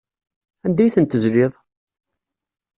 Anda ay tent-tezliḍ?